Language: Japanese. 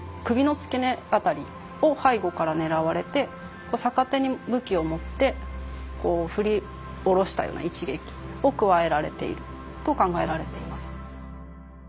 首の付け根辺りを背後から狙われて逆手に武器を持ってこう振り下ろしたような一撃を加えられていると考えられています。